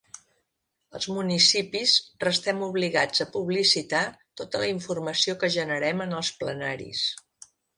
Els municipis restem obligats a publicitar tota la informació que generem en els plenaris.